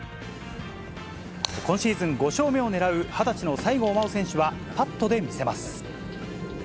今シーズン、５勝目をねらう２０歳の西郷真央選手は、パットで見せます。